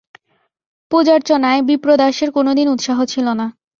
পূজার্চনায় বিপ্রদাসের কোনোদিন উৎসাহ ছিল না।